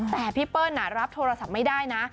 แต่พี่เปิ้ลรับโทรศัพท์ไม่ได้นะ